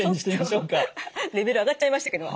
ちょっとレベル上がっちゃいましたけど。